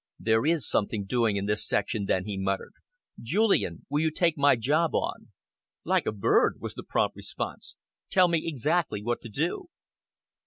"There is something doing in this section, then," he muttered. "Julian, will you take my job on?" "Like a bird," was the prompt response. "Tell me exactly what to do?"